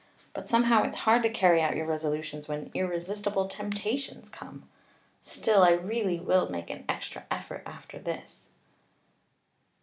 But somehow it's hard to carry out your resolutions when irresistible temptations come. Still, I really will make an extra effort after this."